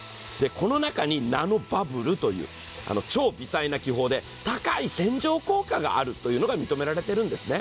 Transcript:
この中にナノバブルという超微細な気泡で高い洗浄効果があるのが認められているんですね。